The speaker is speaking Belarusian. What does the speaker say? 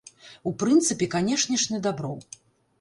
У прынцыпе, канечне ж, на дабро.